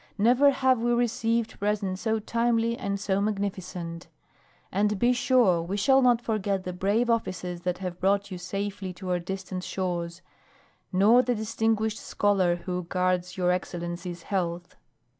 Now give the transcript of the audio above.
Never have we received presents so timely and so magnificent. And be sure we shall not forget the brave officers that have brought you safely to our distant shores, nor the distinguished scholar who guards your excellency's health."